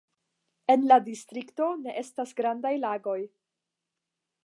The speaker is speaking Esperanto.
En la distrikto ne estas grandaj lagoj.